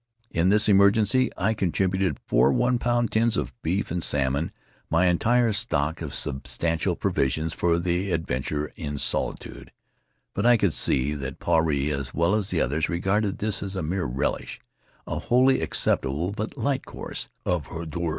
In this emergency I contributed four one pound tins of beef and salmon, my entire stock of substantial provisions for the ad venture in solitude; but I could see that Puarei, as well as the others, regarded this as a mere relish — a wholly acceptable but light course of hors d'oeuvre.